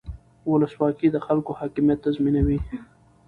ولسواکي د خلکو حاکمیت تضمینوي